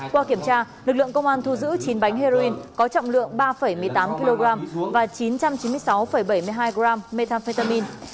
qua kiểm tra lực lượng công an thu giữ chín bánh heroin có trọng lượng ba một mươi tám kg và chín trăm chín mươi sáu bảy mươi hai g methamphetamine